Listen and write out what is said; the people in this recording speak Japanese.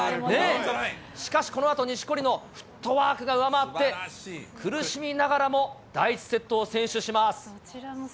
しかし、このあと錦織のフットワークが上回って、苦しみながらも第１セットを先取します。